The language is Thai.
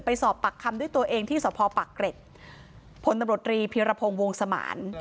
สอบปากคำด้วยตัวเองที่สพปากเกร็ดพลตำรวจรีพีรพงศ์วงสมาน